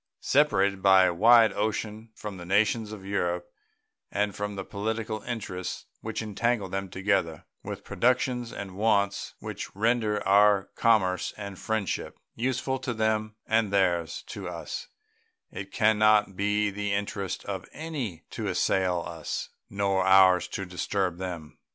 Separated by a wide ocean from the nations of Europe and from the political interests which entangle them together, with productions and wants which render our commerce and friendship useful to them and theirs to us, it can not be the interest of any to assail us, nor ours to disturb them.